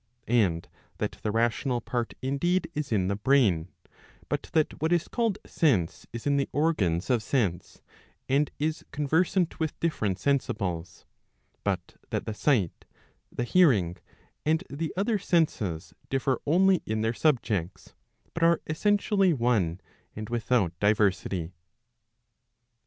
And that the rational part indeed is in the brain; but that what is called sense is in the organs of sense, and is conversant with different sensibles, but that the sight, the hearing, and the other senses, differ only in their subjects, but are essentially one and without diversity.